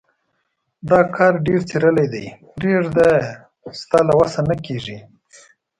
دا کار ډېر څيرلی دی. پرېږده يې؛ ستا له وسه نه کېږي.